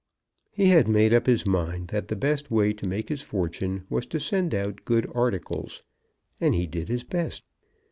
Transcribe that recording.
He had made up his mind that the best way to make his fortune was to send out good articles, and he did his best.